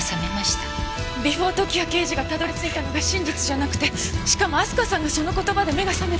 ビフォー時矢刑事がたどり着いたのが真実じゃなくてしかも明日香さんがその言葉で目が覚めた？